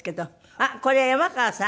あっこれ山川さん？